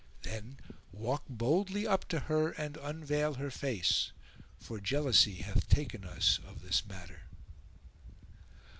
Then walk boldly up to her and unveil her face; for jealousy hath taken us of this matter."